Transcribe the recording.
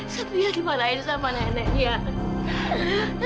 satria dimanain sama neneknya